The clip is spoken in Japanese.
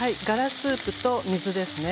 がらスープと水ですね。